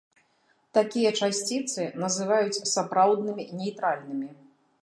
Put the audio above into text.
Такія часціцы называюць сапраўднымі нейтральнымі.